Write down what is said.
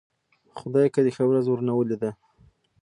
خدايکه دې ښه ورځ ورنه ولېده.